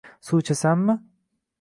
Suv ichasanmi?